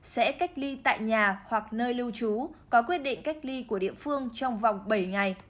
sẽ cách ly tại nhà hoặc nơi lưu trú có quyết định cách ly của địa phương trong vòng bảy ngày